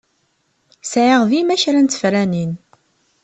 Sɛiɣ dima kra n tefranin.